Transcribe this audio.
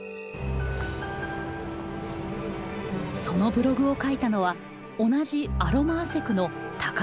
そのブログを書いたのは同じアロマアセクの高橋でした。